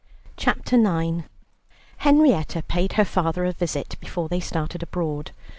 CHAPTER IX Henrietta paid her father a visit before they started abroad.